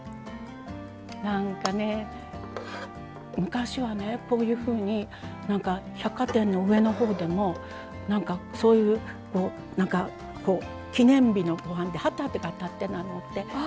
なんかね、昔はねこういうふうに百貨店の上のほうでもそういう記念日のときとか旗とか立ってたんだって。